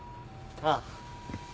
ああ。